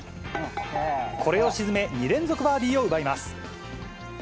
これを沈め、２連続バーディーを奪います。